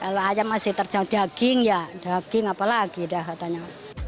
kalau ayam masih tercocok daging ya daging apalagi dah katanya